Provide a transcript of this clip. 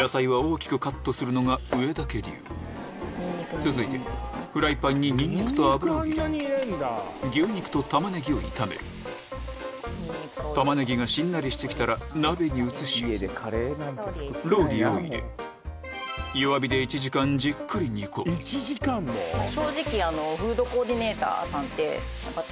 続いてフライパンにニンニクと油を入れ牛肉と玉ねぎを炒める玉ねぎがしんなりしてきたら鍋に移しローリエを入れ１時間も？ですけど。